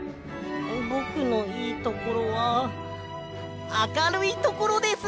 ぼくのいいところはあかるいところです！